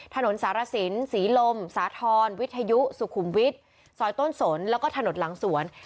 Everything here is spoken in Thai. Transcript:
ถนนสารสินศรีลมสาธรณ์วิทยุสุขุมวิทย์ซอยต้นสนแล้วก็ถนนหลังสวน